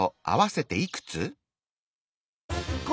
あわせていくつ？